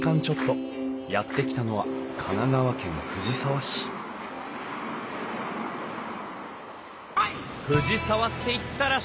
やって来たのは神奈川県藤沢市藤沢っていったら湘南！